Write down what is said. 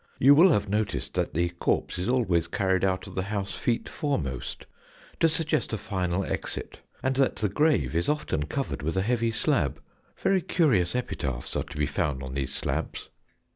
You will have noticed that the corpse is always carried out of the house feet foremost, to suggest a final exit, and that the grave is often covered with a heavy slab. Very curious epitaphs are to be found on these slabs.